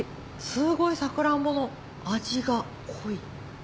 すごいサクランボの味が濃い。